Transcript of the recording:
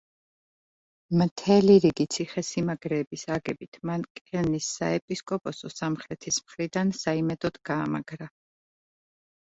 მთელი რიგი ციხესიმაგრეების აგებით მან კელნის საეპისკოპოსო სამხრეთის მხრიდან საიმედოდ გაამაგრა.